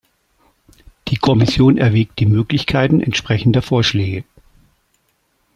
Die Kommission erwägt die Möglichkeiten entsprechender Vorschläge.